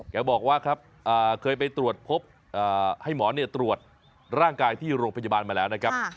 แกบอกว่าครับเคยไปตรวจพบให้หมอตรวจร่างกายที่โรงพยาบาลมาแล้วนะครับ